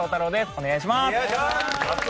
お願いします。